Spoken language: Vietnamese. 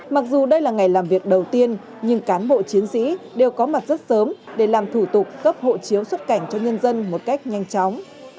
mặc dù đây là ngày làm việc đầu tiên nhưng cán bộ chiến sĩ đều có mặt rất sớm để làm thủ tục cấp hộ chiếu xuất cảnh cho nhân dân